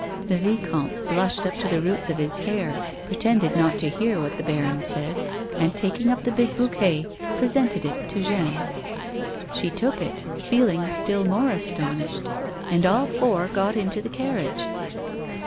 The vicomte blushed up to the roots of his hair, pre tended not to hear what the baron said, and, taking up the big bouquet, presented it to Jeanne. Slio took it, feeling still more astonished, and all foiir got into tlie carriage.